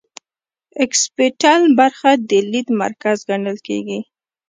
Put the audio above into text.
اکسیپیټل برخه د لید مرکز ګڼل کیږي